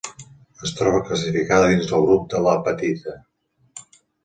Es troba classificada dins del grup de l'apatita.